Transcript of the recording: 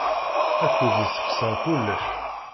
Akud yessexṣar kullec.